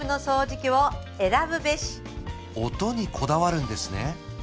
音にこだわるんですね